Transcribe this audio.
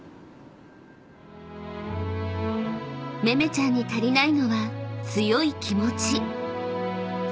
［めめちゃんに足りないのは強い気持ち］